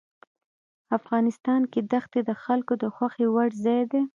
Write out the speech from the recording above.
افغانستان کې دښتې د خلکو د خوښې وړ ځای دی.